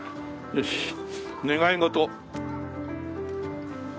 よし願い事。